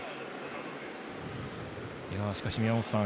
しかし、宮本さん